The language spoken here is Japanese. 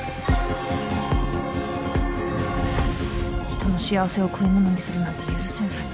人の幸せを食い物にするなんて許せない。